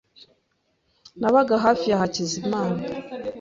Nabaga hafi ya Hakizimana .